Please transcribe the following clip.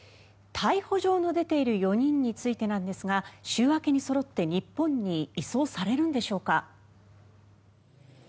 逮捕状の出ている４人についてなんですが週明けに、そろって日本に移送されるんでしょうか。